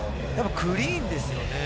クリーンですよね。